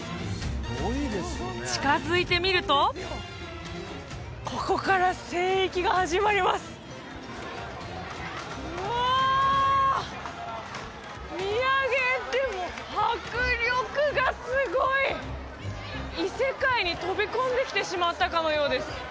近づいてみるとうわ見上げても迫力がすごい異世界に飛び込んできてしまったかのようです